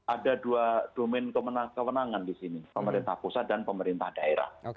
ada dua domain kewenangan di sini pemerintah pusat dan pemerintah daerah